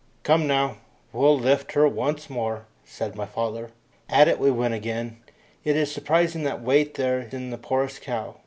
"Come now, we'll lift her once more," said my father. At it we went again; it is surprising what weight there is in the poorest cow.